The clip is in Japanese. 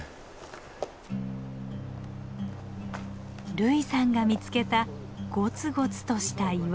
類さんが見つけたゴツゴツとした岩。